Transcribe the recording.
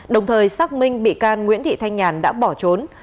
đồng thời xác minh bị can nguyễn thị thanh nhàn đã bỏ trốn